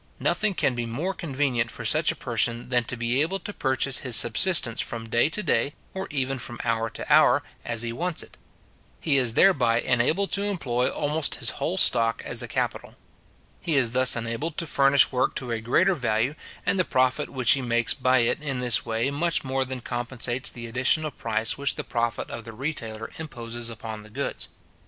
Nothing can be more convenient for such a person than to be able to purchase his subsistence from day to day, or even from hour to hour, as he wants it. He is thereby enabled to employ almost his whole stock as a capital. He is thus enabled to furnish work to a greater value; and the profit which he makes by it in this way much more than compensates the additional price which the profit of the retailer imposes upon the goods.